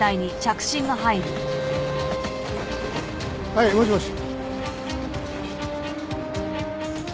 はいもしもし？